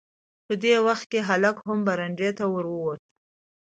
په دې وخت کې هلک هم برنډې ته ور ووت.